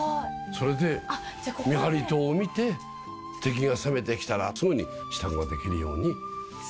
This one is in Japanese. それで見張り塔を見て敵が攻めてきたらすぐに支度ができるように。